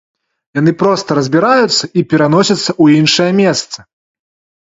Яны проста разбіраюцца і пераносяцца ў іншае месца.